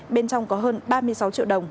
bên trong có hơn ba mươi sáu triệu đồng